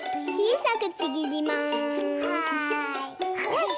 よし。